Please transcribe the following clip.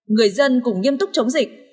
người dân cũng nghiêm túc chống dịch